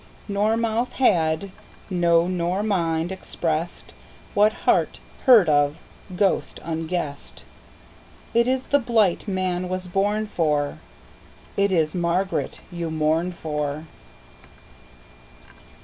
Nor mouth had, no nor mind, expressedWhat heart heard of, ghost guessed:It ís the blight man was born for, It is Margaret you mourn for.